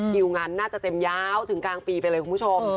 งานน่าจะเต็มยาวถึงกลางปีไปเลยคุณผู้ชม